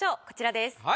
こちらです。